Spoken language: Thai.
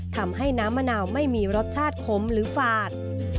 ทำให้น้ำมะนาวไม่มีรสชาติขมหรือฝาด